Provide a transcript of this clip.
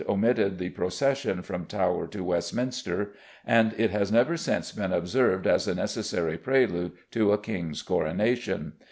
omitted the procession from Tower to Westminster, and it has never since been observed as a necessary prelude to a king's coronation.